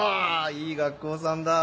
いい学校さんだ。